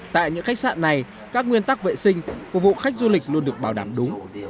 tại những khách sạn này các nguyên tắc vệ sinh phục vụ khách du lịch luôn được bảo đảm đúng